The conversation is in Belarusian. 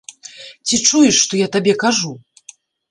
Ці чуеш, што я табе кажу?